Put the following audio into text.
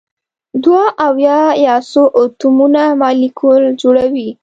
دوه او یا څو اتومونه مالیکول جوړوي.